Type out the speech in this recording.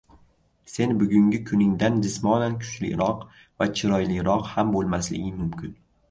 Sen bugungi kuningdan jismonan kuchliroq va chiroyliroq ham boʻlmasliging mumkin.